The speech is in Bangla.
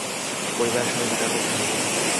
পরিবারের সাথে দেখা করতে হবে।